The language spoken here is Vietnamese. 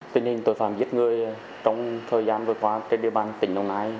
tuy nhiên tội phạm giết người trong thời gian vừa qua trên địa bàn tỉnh đồng nai